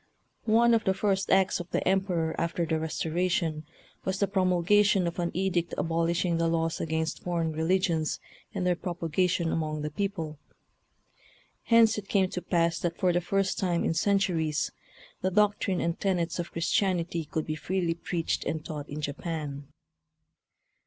One of the first acts of the Emperor after the Restoration was the promulga tion of an edict abolishing the laws against foreign religions and their propagation among the people. Hence it came to pass that for the first time in centuries the doc THE NEW JAPAN. 893 trine and tenets of Christianity could be freely preached and taught in Japan.